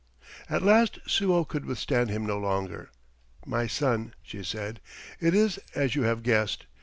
At last Suo could withstand him no longer. "My son," she said, "it is as you have guessed.